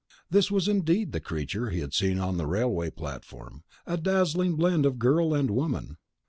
This was indeed the creature he had seen on the railway platform: a dazzling blend of girl and woman.